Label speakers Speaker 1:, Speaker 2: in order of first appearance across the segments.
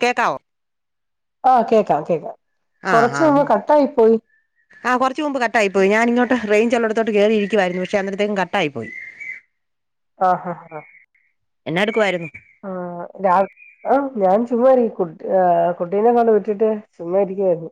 Speaker 1: കേട്ടാവ
Speaker 2: ആഹ കേക്കാം കേക്കാം കൊറച്ച നമ്മ കട്ട ആായി പോയി
Speaker 1: ആഹ കുറച്ച് മുമ് കട്ടായിയി ഞാന ഇങ്ങോട്ട് റഞ്ച്ച ഉ ോട്ട് കേയറിയിരിക്കുായിരുന്നു പക്ഷെ അന്നിടത്തേക്കും കട്ടായി പോയി
Speaker 2: ആഹ് ആഹ ആഹ
Speaker 1: എന്നെ എടുക്കുായിരുന്നു
Speaker 2: ആഹ ആഹ ഞാൻ ചുമ്മാരിക്കട്ട കുട്ടീനെ കൊണ്ട് വിട്ടിട്ട് ചുമ് ഇരിക്കായിരുന്നു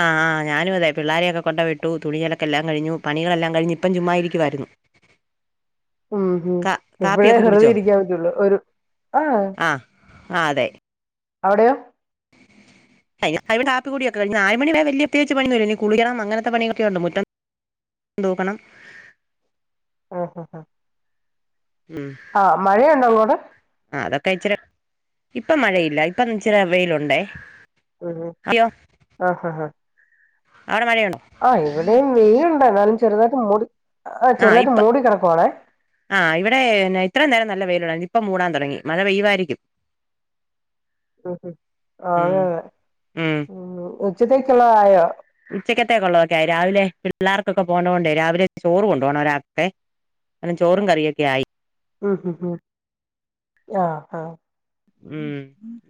Speaker 1: ആഹ് ആ്ഞാനും അതെ പിള്ളോരെയൊക്കെ കൊണ്ടപ വിട്ടു തുണിയലൊക്കെല്ലാം കഴിഞ്ഞു പണികെല്ലാം കഴഞ്ഞ ഇപ്പ ചുമ്മായിരിക്കുവമായിരുന്നു ആ
Speaker 2: ഉം ഹ ഇപ്പഴേ ഹെറുതെ
Speaker 1: കുടിച്ചോ
Speaker 2: ഇരിക്കാൻ പറ്റുള്ളൂ ഒരു ആ
Speaker 1: ആ അതെ
Speaker 2: അവിടെയോ
Speaker 1: അവിടെ ആപ്പിക്കൂടിയൊക്ക കഴഞ്ഞ ആല് മണ വരെ വല അത്വകി പണിന്ന് വര ഇനി കുളിക്കണം അങ്ങനത്തെ പണൊക്കെ ഉണ്ട് മുറ്റം തോക്കണം
Speaker 2: ഹഹ ഹഹ ആഹ മഴയുണ്ടോ അള്ളോടെ
Speaker 1: ആ അതൊക്കെ ഇച്ചിരി ഇപ്പൊ മഴയില്ല ഇപ്പൊ ഇച്ചിരി വെയിലുണ്ടേ
Speaker 2: ഉ
Speaker 1: അയ്യോ
Speaker 2: ആഹ ആഹ് ഹഹ
Speaker 1: അവിടെ മഴയുണ്ടോ
Speaker 2: ആ് ഇവിടെയും വെയിുണ്ടായി എന്നാലും ചെറുതായിട്ട് മൂടി ആഹ്
Speaker 1: ആ്
Speaker 2: ചെറുതായിട്ട്
Speaker 1: ഇപ്പ
Speaker 2: മൂടി കിടക്കുവാണേ
Speaker 1: ആ ഇവിടെ ഇത്ര നേരം നല്ല വെയില ഇപ്പം മൂടാൻ തുടങ്ങി മഴ പെയ്യവായിരിക്കും
Speaker 2: ഉ ആ അങ്ങെ ഉ ഉച്ചത്തേക്കുള്ള ആയോ
Speaker 1: ഉച്ചക്കത്തേക്ക ഉള്ളതൊക്കെയായി രാവിലെ പിള്ളേർക്കൊക്കെ പോത കൊണ്ട്േ രാവിലെ ചോറ് കൊണ്ടണ്ട്പ പോകണം ഒരാക്കത്തെ അെ ചോറും കറിയൊക്കെ ആയി
Speaker 2: ഉ ഉ ഉ ആഹ് ആഹ്
Speaker 1: ഉം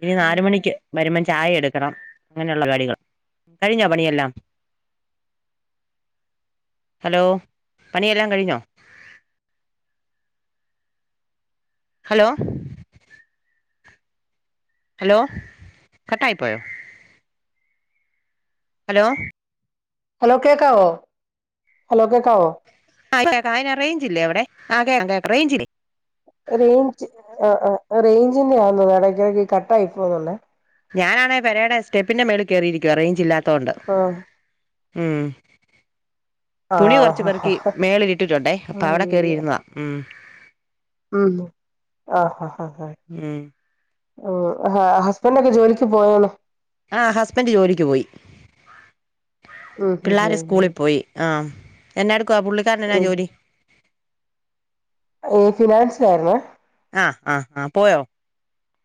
Speaker 1: ഇനി നാല മണിക്ക് വരുമ ചായ എടുക്കണം അങ്ങനെയുള്ള പാടികൾ കഴിഞ്ഞോ പണിയെല്ലാം ഹലോ പനിയെല്ലാം കഴിഞ്ഞോ ഹലോ ഹലോ കട്ടായി പോയോ ഹലോ
Speaker 2: ഹലോ കേക്കാവോ ഹലോ കേക്കാവോ
Speaker 1: ആ് കേക്കാം അയിന് റേഞ്ചില്ലേ അവിടെ ആ കേക്കാം കേക്ക റേഞ്ചില്ലേ
Speaker 2: റേഞ്ച് ആ ആ റേഞ്ചിന്റെ ആന്ന നടടക്കിടക്ക് കട്ട് ആായി പോന്നല്ലേ
Speaker 1: ഞാനാണ പരയുടെ സ്റ്റെപ്പിന്റെ മേൽ കയറിയിരിക്കുവ റേഞ്ച് ഇല്ലാത്തോൊണ്ട് ആഹ
Speaker 2: ആ
Speaker 1: തുണി
Speaker 2: ആണോ
Speaker 1: കുറച്ചു പേർക്ക് മേളില ഇട്ടിട്ടുണ്ടേ അപ്പൊ അവിടെ കേയറിയിരുന്നതാ ഉം
Speaker 2: ഉ ആഹഹ് ഹാ
Speaker 1: ഉം
Speaker 2: ഹ ഹസ്ബൻറ് ഒക്കെ ജോലിക്ക് പോയണോ
Speaker 1: ആ ഹസ്ബൻഡ് ജോലിക്ക് പോയി
Speaker 2: ഉം
Speaker 1: പിള്ളോരെ
Speaker 2: ഉം ഉം
Speaker 1: സ്കൂളിൽ പോയി ആഹ്‌ എന്നെ എടുക്കുവ പുള്ളിക്കാരനന്നാ ജോലി
Speaker 2: ഏഹ്‌ ഫിനാൻസ് ആരുനേ
Speaker 1: ആഹ്‌ ആഹ്‌ ആഹ്‌ പോയോ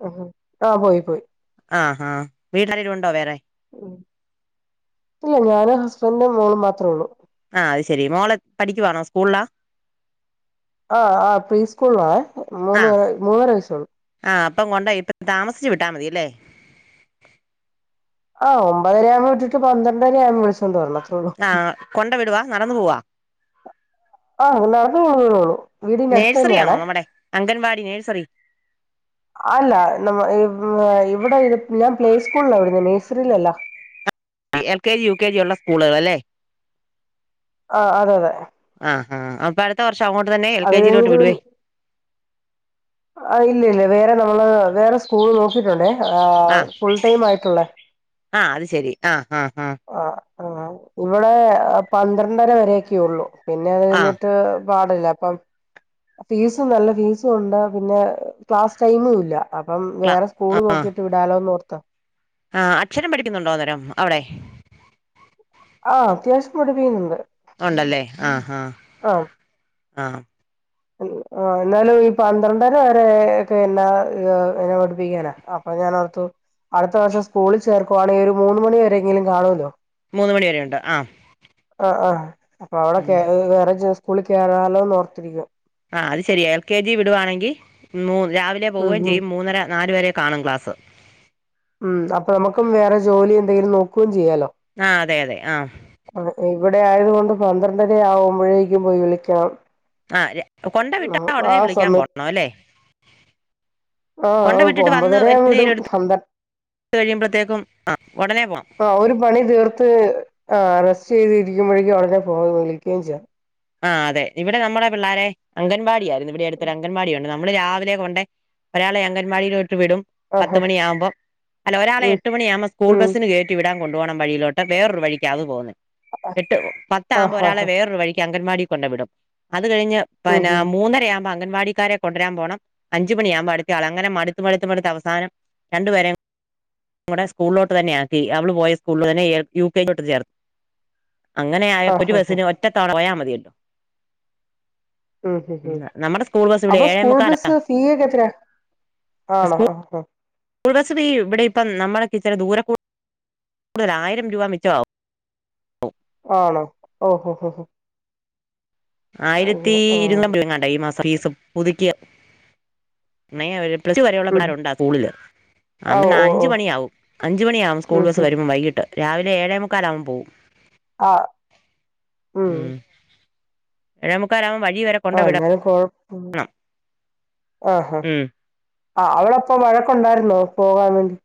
Speaker 2: ഓഹോ ആ പോയി പോയി
Speaker 1: ആഹ് ആ വീടിലാരേലും ഉണ്ടോ വേറെ?
Speaker 2: ഇല്ല ഞാന് ഹസ്ബൻഡ് മോളും മാത്രേ ഉള്ളു
Speaker 1: ആഹ് അത് ശെരി മോള് പഠിക്കുവാണോ സ്കൂളിലാ?
Speaker 2: ആ ആ പ്രീ സ്കൂള്ലാ
Speaker 1: ആ
Speaker 2: മൂന്ന് മൂന്നര വയസേള്ളൂ
Speaker 1: ആ ഇപ്പം കൊണ്ടോയ് ഇപ്പൊ താമസിച്ചു വിട്ടാ മതില്ലേ
Speaker 2: ആഹ് ഒമ്പതരയാവുമ്പം വിട്ടിട്ട് പന്ത്രണ്ടരയാമ്പം വിളിച്ചോണ്ട് വരണം അത്രേ ഉള്ളൂ
Speaker 1: ആഹ് കൊണ്ട് വിടുവാ നടന്നു പോവാ
Speaker 2: ആഹ് അത് നടന്ന് പോവുകേള്ളൂ വീടിന്റെ അടുത്ത്
Speaker 1: നേഴ്സറി ആണോ
Speaker 2: തന്നെയാണേ
Speaker 1: നമ്മുടെ അംഗൻവാടി നേഴ്സറി
Speaker 2: അല്ല നമ ഇവിടെ ഇത് ഞാൻ പ്ലേ സ്കൂളിലാ വിടുന്ന നേഴ്സറിയിലല്ല.
Speaker 1: L K G U K G ഉള്ള സ്കൂളുകൾ അല്ലേ?
Speaker 2: ആഹ് അതെ അതെ
Speaker 1: ആ ആ അപ്പ അടുത്ത കൊറച്
Speaker 2: അത് കഴിഞ്ഞിട്ട് പി ആ ഇല്ലില്ല വേറെ നമ്മള് വേറെ സ്കൂൾ നോക്കീട്ടുണ്ടേ ഫുൾ ടൈം ആയിട്ടൊള്ള
Speaker 1: ആഹ് അത് ശെരി ആഹ് ആ ആ
Speaker 2: ആഹ് ആ ഇവിടെ പന്ത്രണ്ടര വരെയൊക്കെ ഉള്ളൂ പിന്നെത്
Speaker 1: ആ
Speaker 2: കഴിഞ്ഞിട്ട് പാടില്ല അപ്പം ഫീസും നല്ല ഫീസും ഉണ്ട് പിന്നെ ക്ലാസ് ടൈമും ഇല്ല അപ്പം
Speaker 1: ക്ലാ
Speaker 2: വേറെ സ്കൂള് നോക്കിട്ട് വിടാലോന്ന് ഓർത്ത
Speaker 1: ആഹ് അക്ഷരം പഠിക്കുന്നുണ്ടോ അന്നേരം അവിടെ
Speaker 2: ആഹ് അത്യാവശ്യം പടുപികുന്നുണ്ട്
Speaker 1: ഒണ്ടല്ലേ ആഹ് ആഹ് ആഹ്
Speaker 2: ആ എന്നാലും ഈ പന്ത്രണ്ടര വരെ ഒക്കെ എന്നാ എങ്ങനെ പഠിപ്പിക്കാനാ അപൊ ഞാനോർ തൊ അടുത്ത വർഷം സ്കൂളിൽ ചേർക്കുവാണെങ്കിൽ ഒരു മൂന്ന് മണി വരെങ്കിലും കാണോല്ലോ
Speaker 1: മൂന്ന് മണി വരെെയണ്ട് ആഹ്
Speaker 2: ആഹ് അപ്പൊ അവിടെ വേറെ സ്കൂളിൽ കേറല്ലോന്ന് ഓർത്തി പിന്നെ
Speaker 1: ആഹ് അത് ശരിയ എൽ കെ ജി വിടവായാണെങ്കിൽ മൂ രാവിലെ
Speaker 2: ഉം
Speaker 1: പോവുകയും
Speaker 2: ഉം
Speaker 1: ചെയ്യും മൂന്നര നാല വരെ കാണും ക്ലാസ്.
Speaker 2: ഉമ് അപ്പൊ നമുക്കും വേറെ ജോലി എന്തെങ്കിലും നോക്കും ചെയ്യാലോ
Speaker 1: ആ അതെ അതെ ആഹ്
Speaker 2: ഇവിടെ ആയത് കൊണ്ട് പന്ത്രണ്ടര ആവുമ്പോഴേക്കും പോയി വിളിക്കാം
Speaker 1: കൊണ്ട വിട്ടാ ഉടനെ വിളിക്കാൻ
Speaker 2: സമയത്ത്
Speaker 1: [unintelligible] ല്ലേ
Speaker 2: ആഹ് ആഹ് ഒമ്പതരവു വിടും
Speaker 1: എന്നേലും എടുത്ത്
Speaker 2: പന്തൻ
Speaker 1: കഴിയുമ്പോഴത്തേക്കും ഉടനെ പോണം
Speaker 2: ആഹ് ഒരു പണി തീർത്ത് ആഹ് റസ്റ്റ് ചെയ്തിരിക്കുമ്പോഴേക്കും ഉടനെ പോക വിളികെ ചെയ്യാം
Speaker 1: ആഹ് അതെ ഇവിടെ നമ്മടെ പിള്ളേരെ അംഗൻവാടിയായിരുന്നു ഇവിടെ അടുതൊരു അംഗൻവാടി യു ണ്ട് നമ്മള് രാവിലെ കൊണ്ട് ഒരാളെ അംഗൻവാടിൽ വി വിടും പത്ത്
Speaker 2: ആഹാ
Speaker 1: മണിയാകുമ്പോ അല്ല ഒരാളെ
Speaker 2: ഉം
Speaker 1: എട്ട് മണിയ ആമ്പോ സ്കൂൾ
Speaker 2: ഉം
Speaker 1: ബസ്സിന് കേറ്റി വിടാം കൊണ്ടോണം വഴിയിലോട്ട് വേറൊരു വഴിക്കാ അത് പോന്നെ എട്ട്
Speaker 2: ആഹ്
Speaker 1: പത്താവുമ്പോ
Speaker 2: ഹാ
Speaker 1: ഒരാളെ
Speaker 2: ഹാ
Speaker 1: വേറൊരു വഴിക്ക് അംഗൻവാടി കൊണ്ട വിടും അത് കഴിഞ്
Speaker 2: ഉം
Speaker 1: പന
Speaker 2: ഹും
Speaker 1: മൂന്നര ആ അ അംഗൻവാടിക്കാര കൊണ്ടരാൻ പോണം അഞ്ച് മണിയാവുമ്പോ അടുത്തയാള അങ്ങനെ മടുത്ത് മടുത്ത് മടുത്ത് അവസാനം രണ്ടു പേരെ ടെ സ്കൂളിലോട്ട് തന്നെ ആക്കി അവള് പോയ സ്കൂളി ന്നെ എൽ [unintelligible] ചേർത്തു അങ്ങനെ ആായ പൊ
Speaker 2: ആഹ്
Speaker 1: ഒരു
Speaker 2: ഹാ ഹാ
Speaker 1: ബസിന് ഒറ്റത്തവണ പോയാൽ മതിയ കേട്ടോ
Speaker 2: ഉം ഹ
Speaker 1: ബസ് ഇവിടെ
Speaker 2: അപ്പൊ
Speaker 1: ഏഴേ
Speaker 2: സ്കൂൾ
Speaker 1: മുക്കാലാ
Speaker 2: ബസ്സ് ഫീ ഒക്കെ എത്രയയാ ആണോ ആഹ ആഹ
Speaker 1: കുഴബശ്രീ ഇവിടെ ഇപ്പം നമ്മളക്ക് ഇച്ചരി ദൂരെ കൂടുതൽ ആയിരം രൂപ മിിച്ചമാവും
Speaker 2: ആണോ ഓഹോ ഹ ഹ
Speaker 1: ആയിരത്തി
Speaker 2: ആഹ്
Speaker 1: ഇരുുന്നൂാം രൂപ കണ്ട ഈ മാസം ഫീസ് പുതുക്കിയ പിന്ന അവര് പ്ലസ് വരെയുള്ളള്ള
Speaker 2: ഉം
Speaker 1: പിടാറുണ്ടാ സ്കൂളില്
Speaker 2: ആഹ്
Speaker 1: അന്ന
Speaker 2: ഓ
Speaker 1: അഞ്ച
Speaker 2: ഓ
Speaker 1: മണിയാവും അഞ്ചച് മണിയ ആാവും സ്കൂൾ
Speaker 2: ഉം
Speaker 1: ബസ്
Speaker 2: ഹും
Speaker 1: വരുമ്പോം വൈകിട്ട് രാവിലെ ഏഴേ മുക്കാലൽാവക്പ പോവും
Speaker 2: ആഹ ഉം
Speaker 1: രമുക്കാരമ വ
Speaker 2: ആഹ ഞാൻ കൊഴ ആഹഹാ
Speaker 1: ഉം
Speaker 2: ആ് അവവിടെപ്പ മഴക്കുണ്ടായിരുന്നോ പോകാൻ വേണ്ടി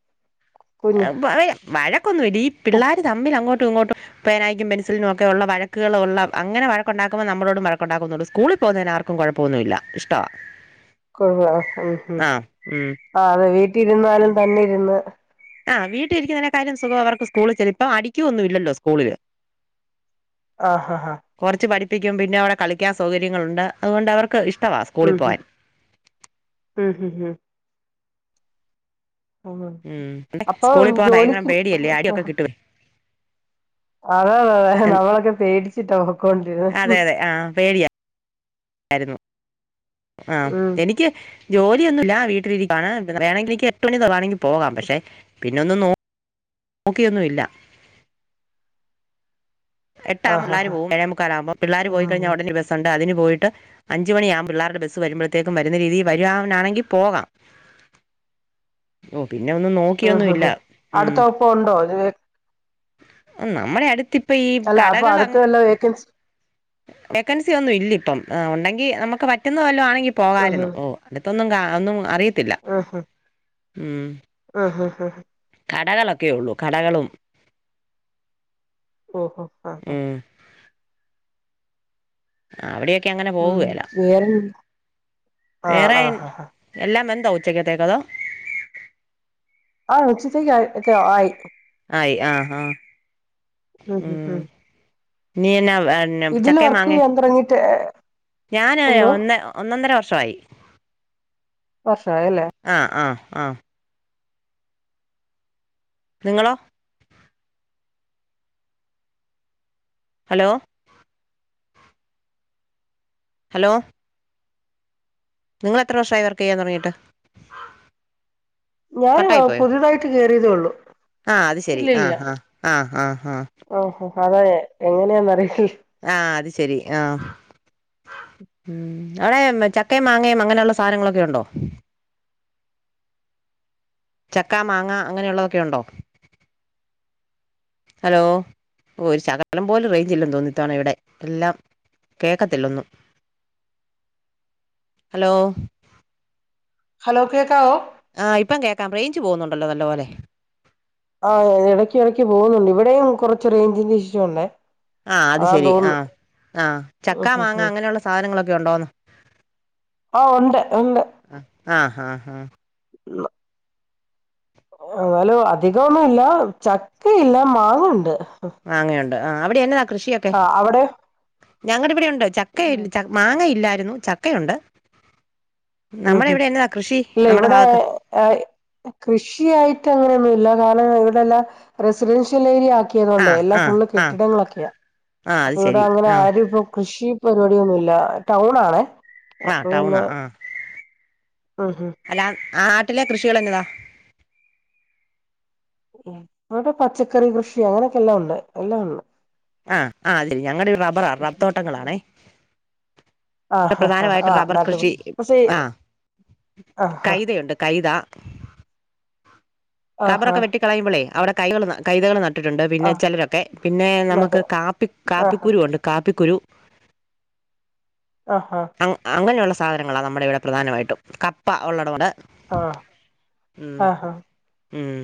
Speaker 2: കുഞ്ഞ്
Speaker 1: വഴക്കൊന്നും വല്ല ഈ പിള്ളോര് തമ്മിൽ അങ്ങോട്ട് ഇങ്ങോട്ടും പനക്കും പെസിലിനും ഒക്കെള്ള വഴക്കുകളൾള്ള അങ്ങനെ വഴക്കണ്ടാക്കുമ്പോ നമ്മളോടും വഴക്കുണ്ടാക്കുന്നുണ്ട് സ്കൂളിൽ അപ്പോൾ ആർക്കും കുഴപ്പമൊന്നുമില്ല ഇഷ്ടമാണ്
Speaker 2: കൊടു ഉ
Speaker 1: ആ ഉം
Speaker 2: ആ അതെ വീട്ടിൽിരുന്നാലും തന്നെ ഇരുന്ന്
Speaker 1: ആഹ് വീട്ടിലിരിക്കുന്ന കാര്യം സുഖം അവർക്ക് സ്കൂളിൽ ചെില ഇപ്പം അടിക്കൊന്നും ഇല്ലല്ലോ സ്കൂളില്
Speaker 2: ആഹ് ആഹഹ
Speaker 1: പിക്കും പിന്നെ അവിടെ കളിക്കാൻ സൗകര്യങ്ങളുണ്ട് അുകൊണ്ട് അവർക്ക് ഇഷ്ടവാ
Speaker 2: ഉം
Speaker 1: സ്കൂളിൽ
Speaker 2: ഹും
Speaker 1: പോവാൻ
Speaker 2: ഉം ഹും ഹും
Speaker 1: ഉം അെ
Speaker 2: അപ്പൊ
Speaker 1: സ്കൂളിൽ പോവാൻ ഭയങ്കരം
Speaker 2: ജോലിക്ക്
Speaker 1: പേടിയല്ലേ ആടിയൊക്കെ കിട്ടുവേ
Speaker 2: അതെ അതെ അതെ നമ്മളൊക്കെ പേടിച്ചിട്ടാക്കോണ്ട്
Speaker 1: അതെ അതെ ആഹ പേടിയാ ആായിരുന്നു ആ
Speaker 2: ഉം
Speaker 1: എനിക്ക് ജോലിയ ഒന്നുമല്ല വീട്ടിലിീതി പറയയാണെങ്കിൽ എനിക്ക് എട്ട് മണി തറാണെങ്കിൽ പോകാം പക്ഷെ പിന്നെ ഒന്നും ന നോക്കിയൊന്നുമല്ല എട്ടാ
Speaker 2: ആഹ്
Speaker 1: പിള്ളേർ
Speaker 2: ആഹ്
Speaker 1: പോവും ഴ മുക്കാലാക്പ പിള്ളേ പോയി
Speaker 2: ആഹ്
Speaker 1: കഴഞ്ഞാൽടന് ബസണ്ട് അതിന് പോയിട്ട് അഞ്ച മണി ആകുമ്പോ പിള്ളേരുടെ ബസ്സ് വരുമ്പോഴത്തേക്കും വരുന്ന രീതി വരുവാനാണെങ്കിൽ പോകാം ഓ പിന്നെ ഒന്നും
Speaker 2: ആഹ്
Speaker 1: നോക്കിയൊന്നുമല്ല
Speaker 2: ആഹ് അടുത്ത ഒപ്പം ഉണ്ടോ
Speaker 1: ഉ നമ്മുടെ അടുത്ത് ഇപ്പ ഈ
Speaker 2: അല്ല അപ്പൊ
Speaker 1: കടകൾ
Speaker 2: അടുത്ത വല്ല വേക്കൻസി
Speaker 1: വേക്കൻസി ഒന്നും ഇല്ല ഇപ്പം ഉണ്ടെങ്കി നമുക്ക് ക്കെ പറ്റുന്ന വല്ല ആണെങ്കി
Speaker 2: ആഹ്
Speaker 1: പോകായിരുന്നു ഓ അടുത്തൊന്നും കാ ഒന്നും അറിയത്തില്ല ഉം
Speaker 2: ആ ഹ ഹ
Speaker 1: കടകളൊക്കെ ഉള്ളൂ കടകളും
Speaker 2: ഓഹ ഹഹ ഹാ
Speaker 1: ഉം അവിടെൊക്കെ അങ്ങനെ
Speaker 2: ഉം
Speaker 1: പോവല്ല
Speaker 2: വേറെ ആഹ്
Speaker 1: വേറെ
Speaker 2: ആഹ് ആഹ്
Speaker 1: എല്ലാം എ ഉച്ചക്കത്തെക്കത
Speaker 2: ആ ഉച്ചിത്തേക്ക് ആയി
Speaker 1: ആയി ആഹ് ആഹ ഉം നീ എന്ന എന്ന
Speaker 2: ഇതില്
Speaker 1: ചക്ക
Speaker 2: വർക്ക്
Speaker 1: മാങ്ങ
Speaker 2: ചെയ്യാൻ തുടങ്ങിട്ട്
Speaker 1: ഞാന്
Speaker 2: എന്തോ
Speaker 1: ഒന്ന ഒന്നൊന്നര വർഷമായി
Speaker 2: പഷായല്ലേ
Speaker 1: ആ നിങ്ങളോ ഹലോ ഹലോ നിങ്ങള്ൾ എത്ര വർഷ ആ വർക്ക് ചെയ്യാൻ തുറങ്ങിട്ട്
Speaker 2: ഞാന് പുതിതായിട്ട് കയറിയതേള്ളു
Speaker 1: ആഹ അത് ശെരി ആഹ് ആഹ് ആഹ് ആഹ് ആഹ്
Speaker 2: അതെ എങ്ങനെയാന്ന് അറിയി
Speaker 1: ആഹ് അത് ശരി ആഹ് ഉമ് ആടെ ചക്കയും മാങ്ങയും അങ്ങനെയുള്ള സാധനങ്ങളൊക്കെ ഉണ്ടോ ചക്ക, മാങ്ങ, അങ്ങനെയുള്ളതൊക്കെ ഉണ്ടോ? ഹലോ ഒരു ശകലം പോലും റേഞ്ചല്ല തോന്നു ത്തണ ഇവിടെ എല്ലാം കേക്കത്തില്ലൊന്നും ഹലോ
Speaker 2: ഹലോ കേക്കാവോ?
Speaker 1: ആഹ് ഇപ്പം കേക്കാം റേഞ്ച് പോകുന്നുണ്ടല്ലോ നല്ല പോലെ
Speaker 2: ആ എടക്ക് എടക്ക് പോകുന്നുണ്ട് ഇവിടെയും കുറച്ച് റേഞ്ചിന്റെ ഇഷ്യുണ്ട് ഏഹ്
Speaker 1: ആഹ് അത് ശെരി ആഹ് ആഹ് ചക്കാ മാങ്ങ
Speaker 2: തോന്നുന്നു
Speaker 1: അങ്ങനെയുള്ള സാധനങ്ങളൊക്കെ ഒണ്ടോന്ന്
Speaker 2: ആഹ് ഉണ്ട് ഒണ്ട്
Speaker 1: ആ ആ ഹാ ഹാ
Speaker 2: ഉള്ള് എന്നാലും അധികൊന്നും ഇല്ല ചക്കയില്ല മാങ്ങയുണ്ട്.
Speaker 1: മാങ്ങെയുണ്ട് ആ അവിടെയെന്നതാ?
Speaker 2: ആ അവിടെ
Speaker 1: ഞങ്ങടിവിടെയുണ്ട് ചക്കയി ച മാങ്ങ ഇല്ലായിരുന്നു ചക്കയുണ്ട്.
Speaker 2: ഉം
Speaker 1: നമ്മള
Speaker 2: ഹും
Speaker 1: ഇവിടെയൊന്നും ആ കൃഷ്
Speaker 2: ഇല്ല ഇവിടെ കൃഷിയായിട്ട് അങ്ങനെയൊന്നുംല്ല കാരണം ഇവിടെ ഇവിടെല്ലാം റെസിഡൻഷ്യൽ ഏരിയ ആക്
Speaker 1: ആ
Speaker 2: ക്കിയതോണ്ട് എല്ലാം
Speaker 1: ആ
Speaker 2: ഫുള്
Speaker 1: ആ
Speaker 2: കെട്ടിടങ്ങളൊക്കെയാ
Speaker 1: ആ അത്
Speaker 2: അപ്പൊ ഇവിടെ
Speaker 1: ശരി
Speaker 2: അങ്ങനെ
Speaker 1: ആ
Speaker 2: ആരും ഇപ കൃഷി ഇപ്പം പരിപാടിയൊന്നുംല്ല ടൗൺ ആണേ
Speaker 1: ആഹ്
Speaker 2: അതുകൊണ്ട്
Speaker 1: ടൗണാ
Speaker 2: പിന്നെ
Speaker 1: ആഹ്
Speaker 2: ഉം ഹും
Speaker 1: ആ നാട്ടിലെ കൃഷികൾ എങ്ങനാ
Speaker 2: ഇടെ പച്ചക്കറി കൃഷി അങ്ങനെയൊക്കെ എല്ലാം ഉണ്ട് എല്ലാം ഉണ്ട്
Speaker 1: ആഹ് ആ അത് ഞങ്ങളുടെ റബറാ റബ് തോട്ടങ്ങളാണേ
Speaker 2: ആഹ് ആഹ് ആഹ്
Speaker 1: പ്രധാനമായിട്ട്
Speaker 2: ആഹ്
Speaker 1: റബ്ബർ
Speaker 2: നാട്ടു
Speaker 1: കൃഷി
Speaker 2: പക്ഷേ
Speaker 1: ആഹ്
Speaker 2: ആഹ്
Speaker 1: കൈതയുണ്ട് കൈത
Speaker 2: ആഹ്
Speaker 1: റബ്ബറൊക്കെ
Speaker 2: ആഹ്
Speaker 1: വെട്ടി കളയുമ്പോളെ അവിടെ കൈത കൈതകൾ നട്ട ട്ടിട്ടുണ്ട് പിന്നെ
Speaker 2: ആഹ്
Speaker 1: ചിലരൊക്കെ പിന്നെ നമുക്ക്
Speaker 2: നാട്ട്
Speaker 1: കാപ്പി
Speaker 2: ആഹ്
Speaker 1: കാപ്പിക്കുരുവുണ്ട് കാപ്പി കുരു
Speaker 2: ആഹ്
Speaker 1: അങ്ങ അങ്ങനെയുള്ള സാധനങ്ങളാ നമ്മുടെ ഇവിടെ പ്രധാനമായിട്ടും കപ്പ ഉള്ളടവൊണ്ട്
Speaker 2: ആഹ ആഹഹ
Speaker 1: ഉം.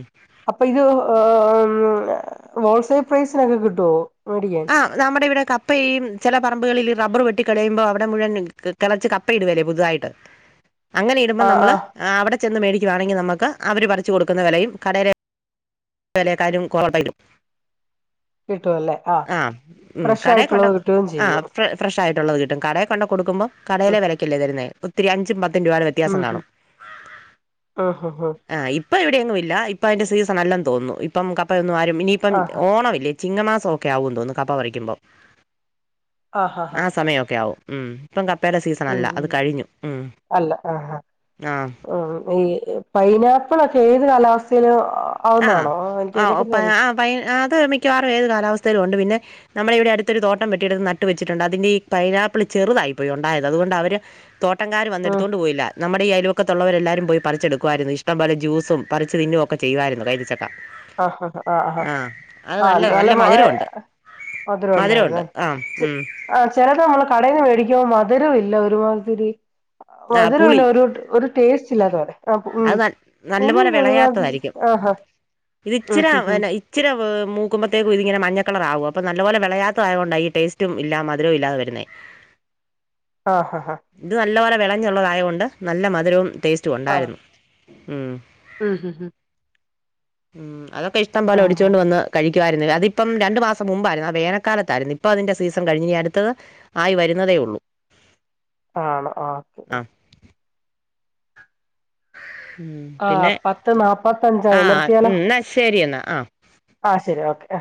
Speaker 2: അപ്പൊ ഇത് ആം ഹോൾസെയിൽ പ്രൈസിനൊക്കെ കിട്ടുവോ മേടിക്കാൻ
Speaker 1: ആം നമ്മുടെ ഇവിടെ കപ്പയി ചെല പറമ്പുകളിലി റബ്ബറ് വെട്ടിക്കളയുമ്പോ അവിടെ മുഴുവൻ ക് കെളച്ച് കപ്പയിടുവേലെ പുതുതായിട്ട് അങ്ങനെ ഇടുമ്പം
Speaker 2: ആഹ്
Speaker 1: നമ്മള്
Speaker 2: ആഹ്
Speaker 1: അവിടെ ചെന്ന് മേടിക്കുവാണെങ്കി നമ്മുക്ക് അവര് പറിച്ചു കൊടുക്കുന്ന വിലയും കടേലെ വെലെക്കാലും [unintelligible]
Speaker 2: കിട്ടുവല്ലേ ആഹ്
Speaker 1: ആഹ ഉം
Speaker 2: ഫ്രഷ്
Speaker 1: കടെ കൊണ്ടെ
Speaker 2: ആയിട്ടുള്ളത് കിട്ടുകയും
Speaker 1: ആ
Speaker 2: ചെയ്യും
Speaker 1: ഫ്ര ഫ്രഷായി ട്ടൊള്ളത് കിട്ടും കടെ കൊണ്ട കൊടുക്കുമ്പൊ കടേലെ വിലയ്ക്കല്ലേ തരുന്നെ ഒത്തിരി അഞ്ചും പ ത്തും രൂപാടെ വ്യത്യാസം
Speaker 2: ഉം
Speaker 1: കാണും
Speaker 2: ഉം ഉം ആഹ്
Speaker 1: ആ ഇ പ്പ ഇവിടെയെങ്ങുവില്ല ഇപ്പം അതിന്റെ സീസണല്ലന്ന് തോന്നുന്നു ഇപ്പം കപ്പയൊന്നും ആരും ഇനിയിപ്പം
Speaker 2: ആഹ്
Speaker 1: ഓണവില്ലേ ചിങ്ങമാസവൊക്കെ ആവൂന്ന് തോന്നുന്നു കപ്പ പറിക്കുമ്പം
Speaker 2: ആഹ് ആഹ്
Speaker 1: ആ
Speaker 2: ആഹ്
Speaker 1: സമയവൊക്കെ ആവും ചെ ഉം ഇപ്പം കപ്പയുടെ
Speaker 2: ഉം
Speaker 1: സീസണല്ല അത് കഴിഞ്ഞു ഉം ആഹ്
Speaker 2: ആം ഈ പൈനാപ്പിളൊക്കെ ഏത് കാലാവസ്ഥയിലും
Speaker 1: ആ
Speaker 2: ആവുന്നതാണോ എനിക്ക്
Speaker 1: ആ
Speaker 2: അതിനെ
Speaker 1: പ
Speaker 2: കുറിച്ച് അറിയ
Speaker 1: ആ പൈ അത് മിക്കവാറും ഏത് കാലാവസ്ഥയിലും ഉണ്ട് പിന്നെ നമ്മടെ ഇവിടെ അടുത്തൊരു തോട്ടം വീട്ടിയെടുത്ത് നട്ടുവെച്ചിട്ടുണ്ട് അതിന്റെ ഈ പൈനാപ്പിള് ചെറുതായി പോയി ഉണ്ടായത് അതുകൊണ്ട് അവര് തോട്ടംക്കാര്
Speaker 2: ഉം
Speaker 1: വന്നെഎടുത്തോണ്ട് പോയില്ല നമ്മുടെ ഈ അയാലോക്ക ത്തൊള്ളവരെല്ലാരും പോയി പറിച്ചെടുക്കുവാരുന്നു ഇഷ്ട്ടംപോലെ ജ്യൂസും പറിച്ച് തിന്നുവൊക്കെ ചെയുവാരുന്നു കൈതച്ചക്ക
Speaker 2: ആഹ ആഹ് ആാ
Speaker 1: ആഹ് അത്
Speaker 2: ആഹ
Speaker 1: നല്ലതാ
Speaker 2: നല്ല മ
Speaker 1: മധുരമുണ്ട്
Speaker 2: മധുരം ഉണ്ടായത
Speaker 1: മധുരമുണ്ട് ആഹ് ഉം
Speaker 2: ആ ചിലത് നമ്മള കടയിന്ന് മേടിക്കുമ്പോ മധുരമ ഇല്ല ഒരുമാത്തിരി
Speaker 1: ആഹ്
Speaker 2: മധുരമ
Speaker 1: പുളി
Speaker 2: ഇല്ല ഒരു ഒരു ടേസ്റ്റ് ഇല്ലാത്തോടെ ആ ഉ
Speaker 1: അത് ന
Speaker 2: പുളി
Speaker 1: നല്ലപോലെ
Speaker 2: ഒരുപാട്
Speaker 1: വിളയാത്തതായിരിക്കും
Speaker 2: ആഹാ
Speaker 1: ഇത്
Speaker 2: ഉം
Speaker 1: ഇച്ചിരെ
Speaker 2: ഹ് ഹ്
Speaker 1: ഇച്ചിരി മൂക്കുമ്പോത്തേക്കും ഇങ്ങനെ മഞ്ഞക്കള അ നല്ല പോലെ വിളയാത്ത ആയൊണ്ട ഈ ടേസ്റ്റും ഇല്ല മധുരവും ഇല്ലതെ വരുന്നേ
Speaker 2: ആഹ ഹഹ ഹഹ
Speaker 1: വിളഞ്ഞുള്ളതായൊണ്ട് നല്ല മധുരവും ടേസ്റ്റും ഉണ്ടായിരുന്നു ഉ
Speaker 2: ആം ഹ ഹ
Speaker 1: ഉം അതൊക്കെ ഇഷ്ടം പോലെ ഒടിച്ചൊണ്ട് വന്ന് കഴിക്ക അതിപ്പം രണ്ടു മാസം മുമ്പായിരുന്നു ആ വേനൽക്കാലത്തായിരുന്നു ഇപ്പ അതിന്റെ സീസ കഴിഞ് അട്ത്തത് ആയി വരുന്നതേ ഉള്ളൂ
Speaker 2: ആണോ ആ ഓക്കെ
Speaker 1: ആ ഉം.
Speaker 2: ആ
Speaker 1: പിന്നെ
Speaker 2: പത്ത്
Speaker 1: ആ
Speaker 2: നാപ്പത്തഞ്ചായി നിർത്തിയാലോ
Speaker 1: ഉം, എന്നാ ശരി എന്നാൽ ആ
Speaker 2: ആ ശരി ഓക്കെ